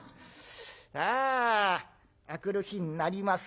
ああ明くる日になります。